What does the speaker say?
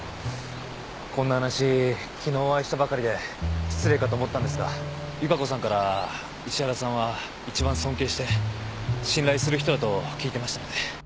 こんな話昨日お会いしたばかりで失礼かと思ったんですが由加子さんから石原さんは一番尊敬して信頼する人だと聞いてましたので。